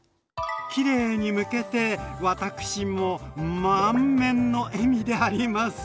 きれいにむけて私も満面の笑みであります。